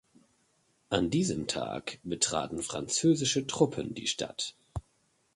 An diesem Tag betraten französische Truppen die Stadt.